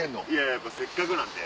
やっぱせっかくなんで。